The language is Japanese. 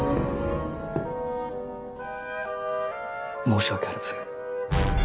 申し訳ありません。